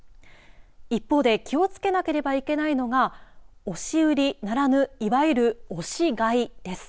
一方で気を付けなければいけないのが押し売りならぬ、いわゆる押し買いです。